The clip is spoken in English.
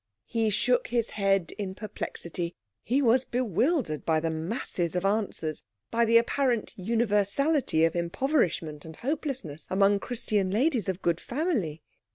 He shook his head in perplexity. He was bewildered by the masses of answers, by the apparent universality of impoverishment and hopelessness among Christian ladies of good family.